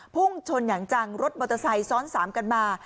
พุ่งชนอย่างจังรถมอเตอร์ไซค์ซ้อนสามกันมา